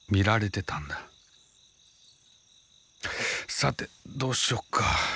さてどうしよっか。